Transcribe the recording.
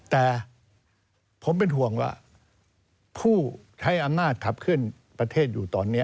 แต่ผมเป็นห่วงว่าผู้ใช้อำนาจขับเคลื่อนประเทศอยู่ตอนนี้